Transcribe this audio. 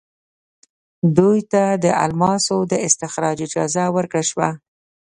دوی ته د الماسو د استخراج اجازه ورکړل شوه.